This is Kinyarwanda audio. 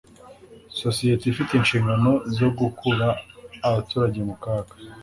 Sosiyete ifite inshingano zogukura abaturage mukaga